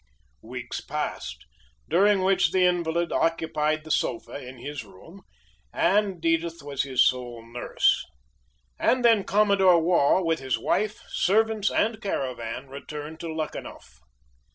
Weeks passed, during which the invalid occupied the sofa in his room and Edith was his sole nurse. And then Commodore Waugh, with his wife, servants and caravan returned to Luckenough.